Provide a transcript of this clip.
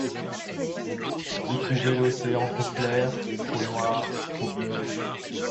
Vous trouvez l’Océan trop clair, trop noir, trop bleu ;